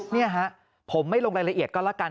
นี่ฮะผมไม่ลงรายละเอียดก็แล้วกัน